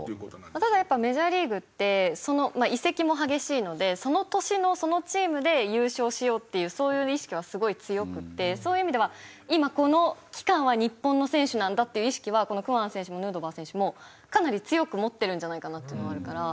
ただやっぱメジャーリーグって移籍も激しいのでその年のそのチームで優勝しようっていうそういう意識はすごい強くってそういう意味では今この期間は日本の選手なんだっていう意識はこのクワン選手もヌートバー選手もかなり強く持ってるんじゃないかなっていうのはあるから。